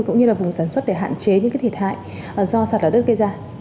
cũng như là vùng sản xuất để hạn chế những cái thiệt hại do sạt lở đất gây ra